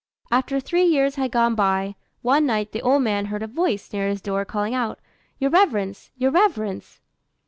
After three years had gone by, one night the old man heard a voice near his door calling out, "Your reverence! your reverence!"